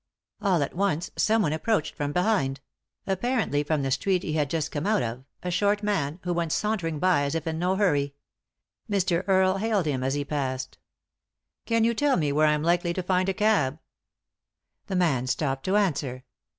All at once someone ap proached from behind; apparently from the street he had just come out of— a short man, who went sauntering by as if in no hurry. Mr. Earle hailed Mm as he passed. "Can you tell me where I am likely to find a cab?" The man stopped to answer.